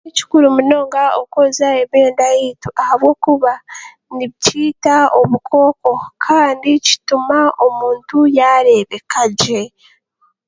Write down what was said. Ni kikuru munonga okwooza emyenda y'eitu ahabw'okuba nibyita obukooko kandi kituma omuntu yaarebeka gye.